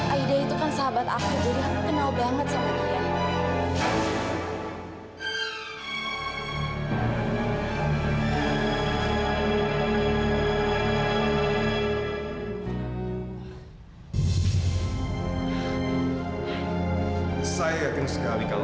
aida itu kan sahabat aku jadi aku kenal banget sama dia